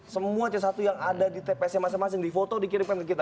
semua c satu yang ada di tpsnya masing masing di foto dikirimkan ke kita